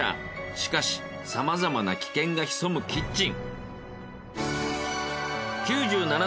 しかし様々な危険が潜むキッチン。